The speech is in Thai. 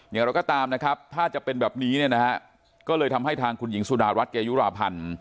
อย่างไรก็ตามนะครับถ้าจะเป็นแบบนี้เนี่ยนะฮะก็เลยทำให้ทางคุณหญิงสุดารัฐเกยุราพันธ์